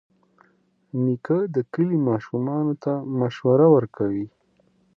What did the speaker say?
نیکه د کلي ماشومانو ته مشوره ورکوي.